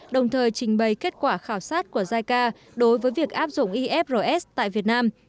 đồng thời trình bày kết quả khảo sát của jica đối với việc áp dụng ifrs tại việt nam